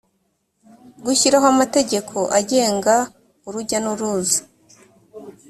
gushyiraho amategeko agenga urujya n’uruza